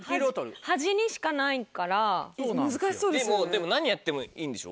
でも何やってもいいんでしょ？